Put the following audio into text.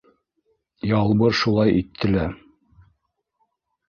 Ялбыр шулай итте лә.